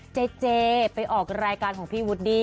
เจเจไปออกรายการของพี่วูดดี้